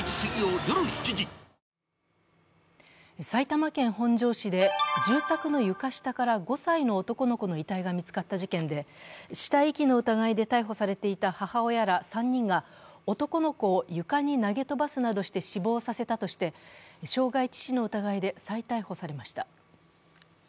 埼玉県本庄市で、住宅の床下から５歳の男の子の遺体が見つかった事件で、死体遺棄の疑いで逮捕されていた母親ら３人が男の子を床に投げ飛ばすなどして死亡させたとして傷害致死の疑いで再逮捕されました。